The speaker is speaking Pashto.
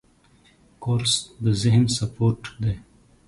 کورس د ذهن سپورټ دی.